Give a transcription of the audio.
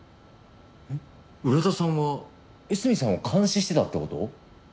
えっ浦田さんは江角さんを監視してたって事？